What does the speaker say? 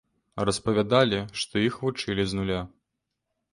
Распавядалі, што іх вучылі з нуля.